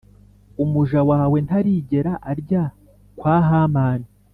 umuja wawe ntarigera arya kwa hamani,